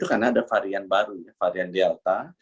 karena ada varian baru varian delta